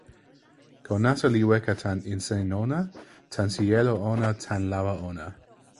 ko nasa li weka tan insa ona, tan sijelo ona, tan lawa ona.